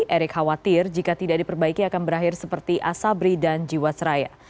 erick khawatir jika tidak diperbaiki akan berakhir seperti asabri dan jiwasraya